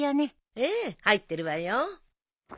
ええ入ってるわよ。